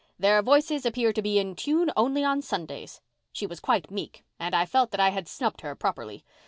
Their voices appear to be in tune only on Sundays!' She was quite meek and I felt that I had snubbed her properly.